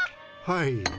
はい。